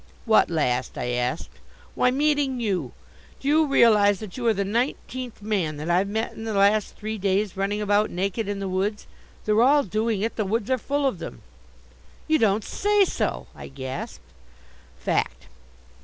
"What last?" I asked. "Why, meeting you. Do you realize that you are the nineteenth man that I've met in the last three days running about naked in the woods? They're all doing it. The woods are full of them." "You don't say so!" I gasped. "Fact.